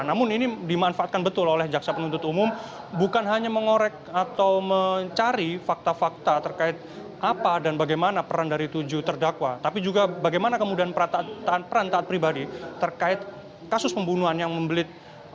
namun ini dimanfaatkan betul oleh jaksa penuntut umum bukan hanya mengorek atau mencari fakta fakta terkait apa dan bagaimana peran dari tujuh terdakwa tapi juga bagaimana kemudian peran taat pribadi terkait kasus pembunuhan yang membelit